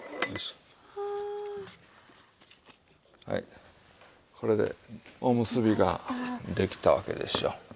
はいこれでおむすびができたわけでしょう。